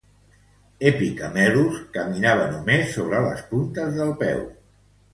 "Aepycamelus" caminava només sobre les puntes del peu.